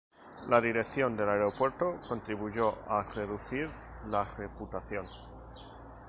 La dirección del aeropuerto contribuyó a reducir la reputación.